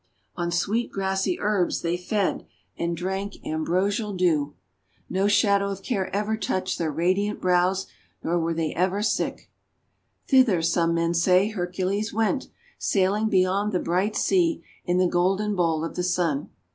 On sweet grassy herbs they fed, and drank ambrosial dew. No shadow of 208 THE WONDER GARDEN care ever touched their radiant brows, nor were they ever sick. Thither some men say Hercules went, sailing beyond the bright sea in the Golden Bowl of the Sun.